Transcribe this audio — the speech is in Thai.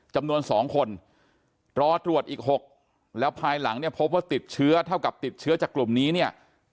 จำนวน๒คนรอตรวจอีก๖แล้วภายหลังเนี่ยพบว่าติดเชื้อเท่ากับติดเชื้อจากกลุ่มนี้เนี่ย